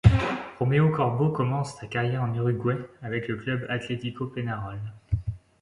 Romeo Corbo commence sa carrière en Uruguay, avec le Club Atlético Peñarol.